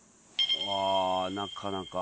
ああなかなか。